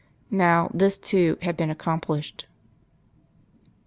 Now, this too, had been accomplished.